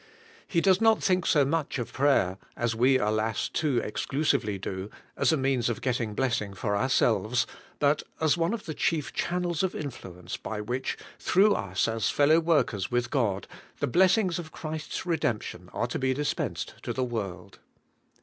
He does not think so much of prayer — as we, alas! too exclusively do — as a means of getting blessing for ourselves, but as one of the chief channels of influence by which, through us as fellow workers with God, the blessings of Christ's redemption are to be dispensed to the world.